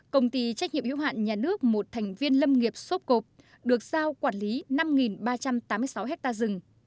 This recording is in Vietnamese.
công ty trách nhiệm hữu hạn nhà nước một thành viên lâm nghiệp sốt cộp được giao quản lý năm ba trăm tám mươi sáu ha rừng